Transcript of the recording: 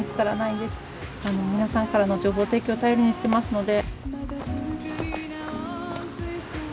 皆さんからの情報提供頼りにしてますので。